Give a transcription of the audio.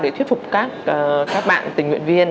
để thuyết phục các bạn tình nguyện viên